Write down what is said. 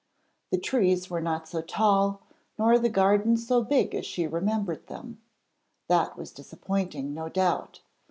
The trees were not so tall nor the garden so big as she remembered them; that was disappointing, no doubt.